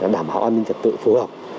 đảm bảo an ninh trật tự phối hợp